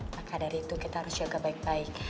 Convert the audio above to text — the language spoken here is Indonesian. maka dari itu kita harus jaga baik baik